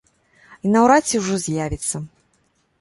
І наўрад ці ўжо з'явіцца.